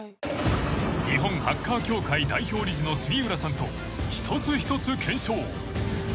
［日本ハッカー協会代表理事の杉浦さんと一つ一つ検証］